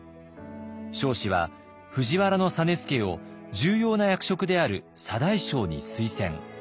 彰子は藤原実資を重要な役職である左大将に推薦。